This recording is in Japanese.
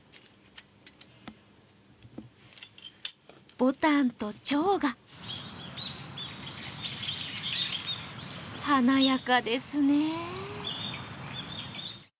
ぼたんと蝶が華やかですね。